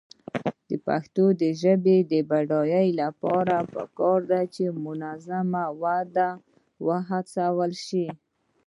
د پښتو ژبې د بډاینې لپاره پکار ده چې منظمه وده هڅول شي.